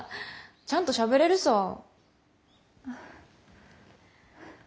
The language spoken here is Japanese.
ちゃんとしゃべれるさぁ。